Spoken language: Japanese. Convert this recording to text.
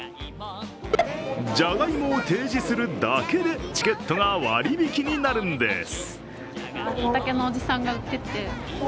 じゃがいもを提示するだけでチケットが割引になるんです。